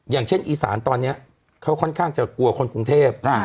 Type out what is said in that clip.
อย่างเช่นอีสานตอนนี้เขาค่อนข้างจะกลัวคนกรุงเทพ